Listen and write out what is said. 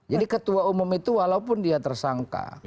jadi ketua umum itu walaupun dia tersangka